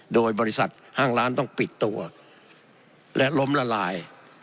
โดยบริษัทห้างร้านต้องปิดตัวและล้มละลาย